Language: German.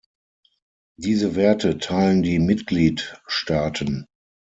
Diese Werte teilen die Mitgliedstaaten.